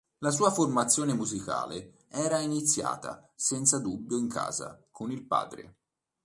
La sua formazione musicale era iniziata senza dubbio in casa, con il padre.